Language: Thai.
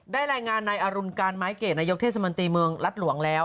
รายงานในอรุณการไม้เกรดนายกเทศมนตรีเมืองรัฐหลวงแล้ว